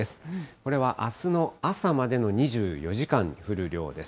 これはあすの朝までの２４時間に降る量です。